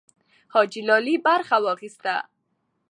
حاجي لالی برخه واخیسته.